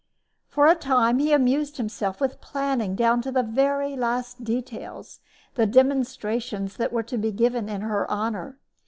For a time he amused himself with planning down to the very last details the demonstrations that were to be given in her honor.